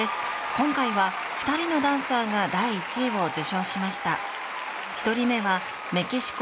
今回は２人のダンサーが第１位を受賞しました。